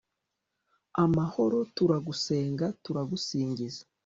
amahoro, turagusenga turagusingiza